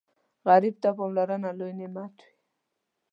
غریب ته پاملرنه لوی نعمت وي